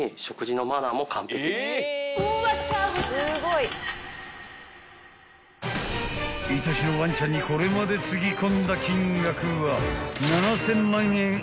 ［いとしのワンちゃんにこれまでつぎ込んだ金額は７，０００万円以上］